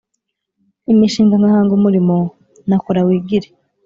Imishinga nka Hanga umurimo naKora wigire